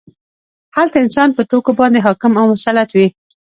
هلته انسان په توکو باندې حاکم او مسلط وي